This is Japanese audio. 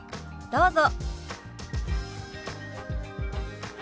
どうぞ。